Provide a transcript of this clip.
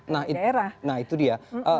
nah itu dia